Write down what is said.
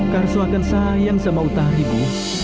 karso akan sayang sama utari bu